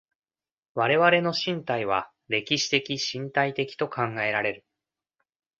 我々の身体は歴史的身体的と考えられる。